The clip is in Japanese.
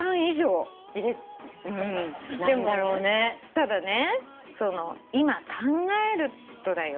ただね今考えるとだよ。